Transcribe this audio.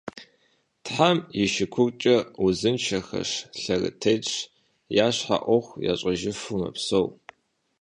Тхьэм и шыкуркӀэ, узыншэхэщ, лъэрытетщ, я щхьэ Ӏуэху ящӀэжыфу мэпсэу.